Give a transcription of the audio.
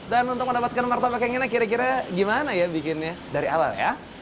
dan untuk mendapatkan martabak yang ini kira kira gimana ya bikinnya dari awal ya